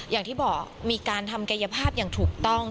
อย่างที่บอกมีการทำกายภาพอย่างถูกต้อง